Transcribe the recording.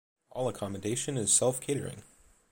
All accommodation is self-catering.